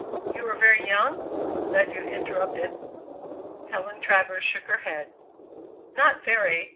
"You were very young?" Ledyard interrupted. Helen Travers shook her head. "Not very.